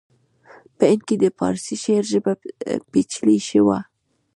په هند کې د پارسي شعر ژبه پیچلې شوه